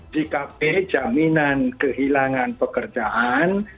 jkp jaminan kehilangan pekerjaan